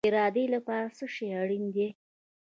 د ارادې لپاره څه شی اړین دی؟